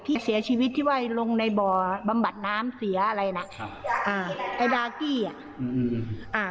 ที่เสียชีวิตที่ไหว่ลงในบ่อบำบัดน้ำเสียอะไรน่ะอ่าไอ้อืมอ่า